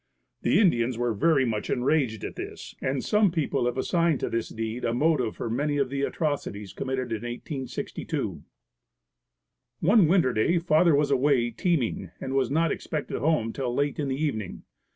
The Indians were very much enraged at this and some people have assigned to this deed a motive for many of the atrocities committed in 1862. One winter day father was away teaming and was not expected home till late in the evening.